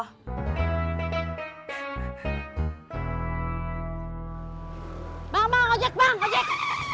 hai mama ngajak ngajak